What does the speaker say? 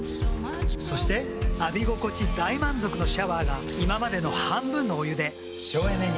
そして浴び心地大満足のシャワーが今までの半分のお湯で省エネに。